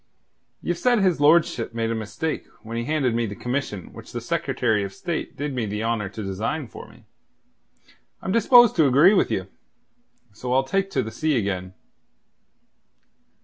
Ye've said his lordship made a mistake when he handed me the commission which the Secretary of State did me the honour to design for me. I'm disposed to agree with you; so I'll take to the sea again.